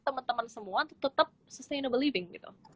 teman teman semua untuk tetap sustainable living